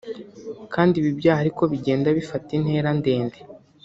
kandi ibi byaha ari ko bigenda bifata intera ndende